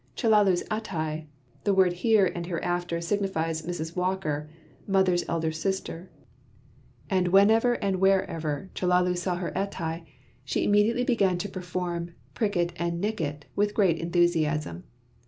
Chellalu's Attai (the word here and hereafter signifies Mrs. Walker, "Mother's elder sister") had taught it to her; and whenever and wherever Chellalu saw her Attai, she immediately began to perform "Prick it and nick it" with great enthusiasm.